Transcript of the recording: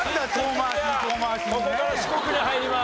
ここから四国に入ります。